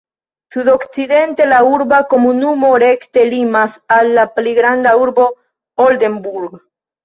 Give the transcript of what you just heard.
Sudokcidente la urba komunumo rekte limas al la pli granda urbo Oldenburg.